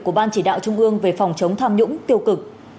của ban chỉ đạo trung ương về phòng chống tham nhũng tiêu cực